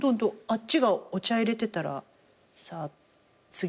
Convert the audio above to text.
あっちがお茶入れてたらさあ次